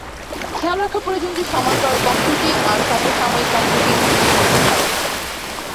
খেয়াল রাখা প্রয়োজন যে, সমান্তরাল কম্পিউটিং আর সমসাময়িক কম্পিউটিং দুটি ভিন্ন ধারণা।